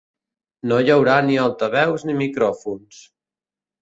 No hi haurà ni altaveus, ni micròfons.